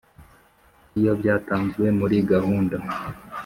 iyo byatanzwe muri gahunda